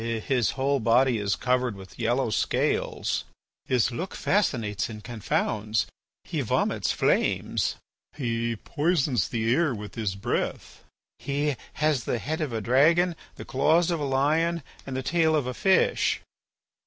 "His whole body is covered with yellow scales." "His look fascinates and confounds. He vomits flames." "He poisons the air with his breath." "He has the head of a dragon, the claws of a lion, and the tail of a fish."